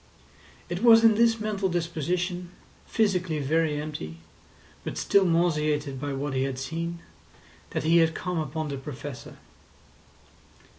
It was in this mental disposition, physically very empty, but still nauseated by what he had seen, that he had come upon the Professor.